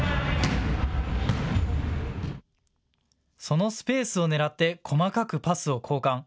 そのスペースを狙って細かくパスを交換。